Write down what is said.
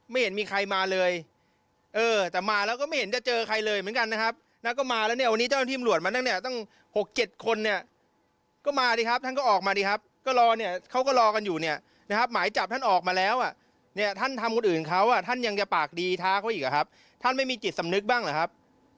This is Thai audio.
มีท้าเขาอีกหรือครับท่านไม่มีจิตสำนึกบ้างเหรอครับ